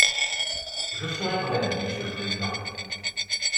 Je serai brève, monsieur le président.